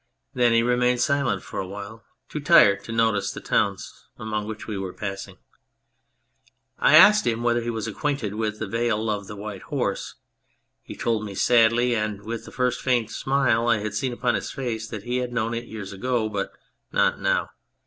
Then he remained silent for a while, too tired to notice the towns among which we were passing. I asked him whether he was acquainted with the Vale of the White Horse. He told me sadly, and with the first faint smile I had seen upon his face, that he had known it years ago, but " not now."